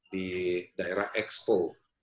di daerah ekspo